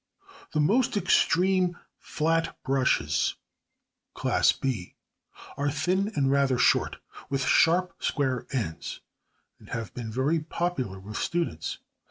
The most extreme flat brushes (Class B) are thin and rather short, with sharp square ends, and have been very popular with students.